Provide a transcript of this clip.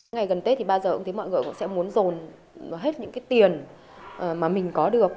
ngày gần tết thì bao giờ cũng thấy mọi người cũng sẽ muốn dồn hết những cái tiền mà mình có được